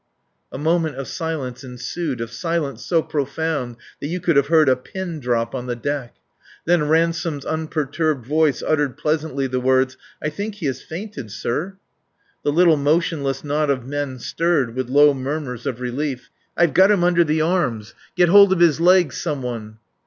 A moment of silence ensued, of silence so profound that you could have heard a pin drop on the deck. Then Ransome's unperturbed voice uttered pleasantly the words: "I think he has fainted, sir " The little motionless knot of men stirred, with low murmurs of relief. "I've got him under the arms. Get hold of his legs, some one."